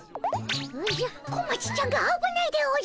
おじゃ小町ちゃんがあぶないでおじゃる。